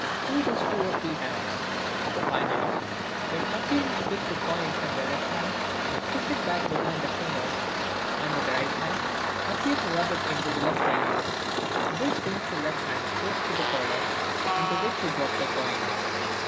Do this two or three times. Finally, when appearing to take the coin from the left hand, push it back behind the fingers, and with the right hand appear to rub it into the left elbow; this brings the left hand close to the collar, into which you drop the coin.